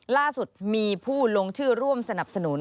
ล่าสุดมีผู้ลงชื่อร่วมสนับสนุน